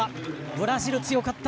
ブラジル、強かった。